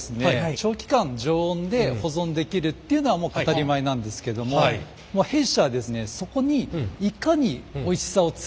長期間常温で保存できるっていうのは当たり前なんですけども弊社はそこにいかにおいしさを追求できるかというところにですね